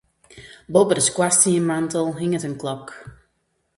Boppe de skoarstienmantel hinget in klok.